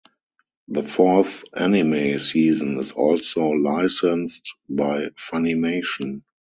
The fourth anime season is also licensed by Funimation.